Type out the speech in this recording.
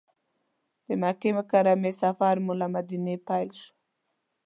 د مکې مکرمې سفر مو له مدینې پیل شو.